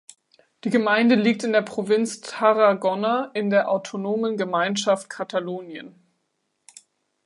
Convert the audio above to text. Die Gemeinde liegt in der Provinz Tarragona in der Autonomen Gemeinschaft Katalonien.